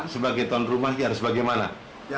sebagai tuan rumah ya harus bagaimana